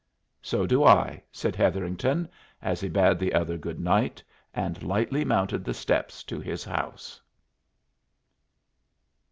"So do I," said Hetherington, as he bade the other good night and lightly mounted the steps to his house.